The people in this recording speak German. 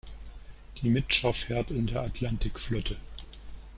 Die "Mitscher" fährt in der Atlantikflotte.